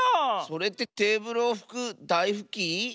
それってテーブルをふくだいふき？